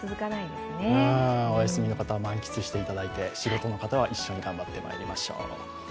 お休みの方は満喫していただいて仕事の方は頑張りましょう。